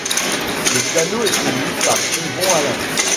Le piano est tenu par Yvon Alain.